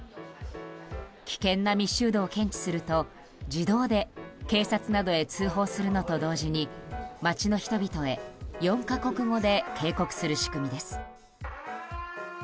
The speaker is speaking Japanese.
危険な密集度を検知すると自動で警察などへ通報するのと同時に街の人々へ４か国語で警告する仕組みです。